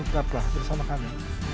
tetaplah bersama kami